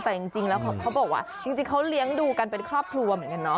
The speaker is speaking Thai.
แต่จริงแล้วเขาบอกว่าจริงเขาเลี้ยงดูกันเป็นครอบครัวเหมือนกันเนาะ